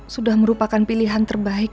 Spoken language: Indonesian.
sudah merupakan pilihan terbaik